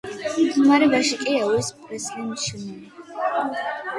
ხმარებაში კი ელვის პრესლიმ შემოიღო.